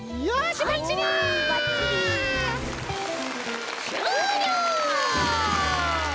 しゅうりょう！